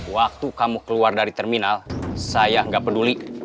waktu kamu keluar dari terminal saya gak peduli